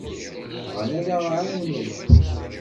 Bɣan ad aɣ-ɛawnen.